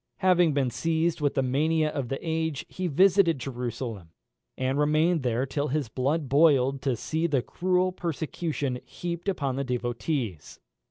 Having been seized with the mania of the age, he visited Jerusalem, and remained there till his blood boiled to see the cruel persecution heaped upon the devotees.